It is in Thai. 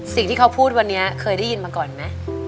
สิ่งที่เขาพูดวันนี้เคยได้ยินมาก่อนไหม